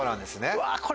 うわぁこれ。